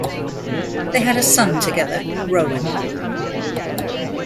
They had a son together, Rowan.